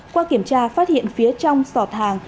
qua kiểm tra phát hiện phía trong sọt hàng